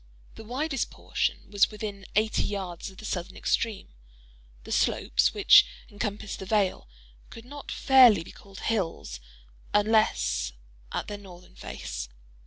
The widest portion was within eighty yards of the southern extreme. The slopes which encompassed the vale could not fairly be called hills, unless at their northern face.